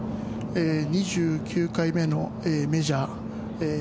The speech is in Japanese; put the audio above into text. ２９回目のメジャー。